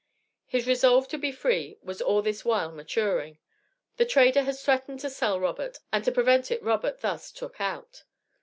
His resolve to be free was all this while maturing. The trader had threatened to sell Robert, and to prevent it Robert (thus) "took out."